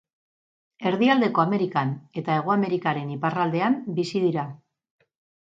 Erdialdeko Amerikan eta Hego Amerikaren iparraldean bizi dira.